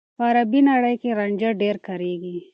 په عربي نړۍ کې رانجه ډېر کارېږي.